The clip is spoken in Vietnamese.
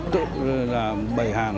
tự là bày hàng